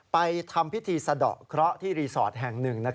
ทำพิธีสะดอกเคราะห์ที่รีสอร์ทแห่งหนึ่ง